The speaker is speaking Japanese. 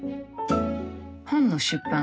本の出版